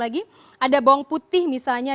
ada bawang putih misalnya